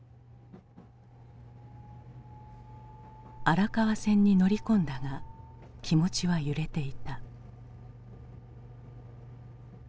荒川線に乗り込んだが気持ちは揺れていた。